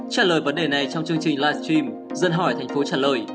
trả lời vấn đề này trong chương trình livestream dân hỏi thành phố trả lời